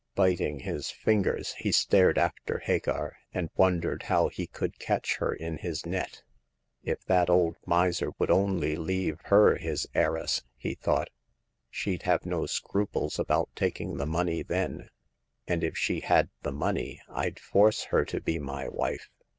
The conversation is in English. Biting his fingers, he stared after Hagar, and wondered how he could catch her in his net. If that old miser would only leave her his heiress !" he thought ;'* she'd have no scruples about taking the money then ; and if she had the money, Fd force her to be my wife.